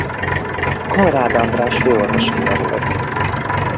Conrad András főorvos fia volt.